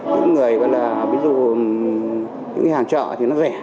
những người gọi là ví dụ những cái hàng chợ thì nó rẻ